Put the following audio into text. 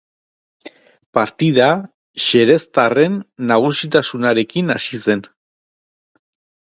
Partida xereztarren nagusitasunarekin hasi zen.